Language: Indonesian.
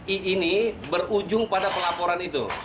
i ini berujung pada pelaporan itu